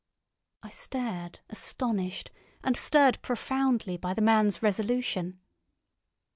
I stared, astonished, and stirred profoundly by the man's resolution.